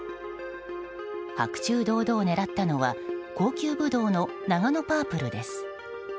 白昼堂々、狙ったのは高級ブドウのナガノパープルです。